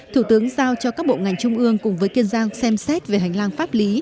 thủ tướng giao cho các bộ ngành trung ương cùng với kiên giang xem xét về hành lang pháp lý